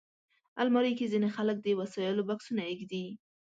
الماري کې ځینې خلک د وسایلو بکسونه ایږدي